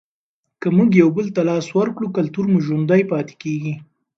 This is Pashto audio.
که موږ یو بل ته لاس ورکړو کلتور مو ژوندی پاتې کیږي.